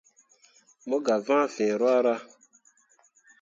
Mo gah vãã fǝ̃ǝ̃ ruahra.